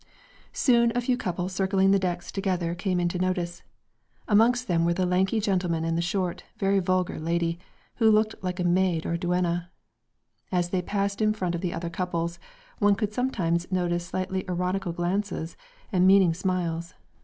Soon a few couples circling the decks together came into notice. Amongst them were the lanky gentleman and the short, very vulgar lady, who looked like a maid or a duenna. As they passed in front of the other couples, one could sometimes notice slightly ironical glances and meaning smiles.